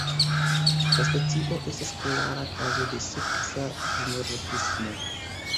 La specio estas klara kazo de seksa dimorfismo.